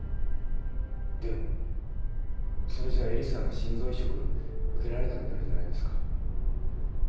でもそれじゃ絵理さんが心臓移植受けられなくなるじゃないですか。